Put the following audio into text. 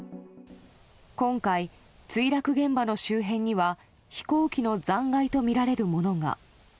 今回、墜落現場の周辺には飛行機の残骸とみられるものが。